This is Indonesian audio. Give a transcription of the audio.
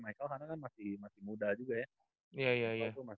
michael karena kan masih muda juga ya